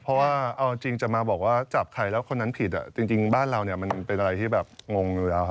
เพราะว่าเอาจริงจะมาบอกว่าจับใครแล้วคนนั้นผิดจริงบ้านเราเนี่ยมันเป็นอะไรที่แบบงงอยู่แล้ว